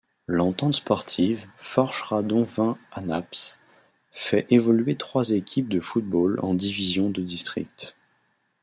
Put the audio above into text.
L'Entente sportive Forges-Radon-Vingt-Hanaps fait évoluer trois équipes de football en divisions de district.